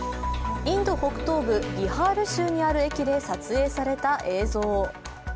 インド北東部ビハール州にある駅で撮影された映像。